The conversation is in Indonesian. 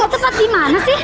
ketepat dimana sih